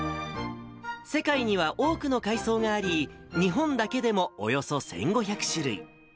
世界には多くの海藻があり、日本だけでもおよそ１５００種類。